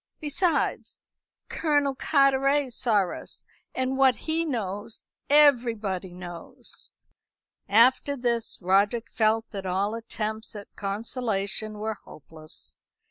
Besides, Colonel Carteret saw us, and what he knows everybody knows." After this, Roderick felt that all attempts at consolation were hopeless.